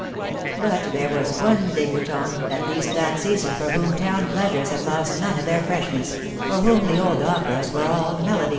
But there was one debutante at least that season for whom town jjleasures had lost none of their freshness^ for whom the old operas were all melody.